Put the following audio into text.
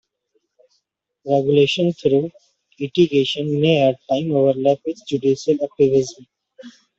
Regulation through litigation may at times overlap with judicial activism.